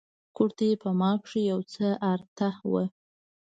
کورتۍ په ما کښې يو څه ارته وه.